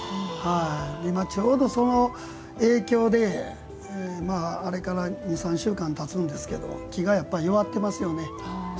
今ちょうどその影響であれから２３週間たつんですけど木が弱ってますよね。